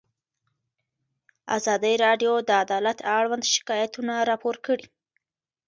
ازادي راډیو د عدالت اړوند شکایتونه راپور کړي.